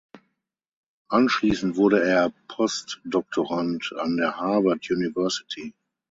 Anschließend wurde er Postdoktorand an der Harvard University.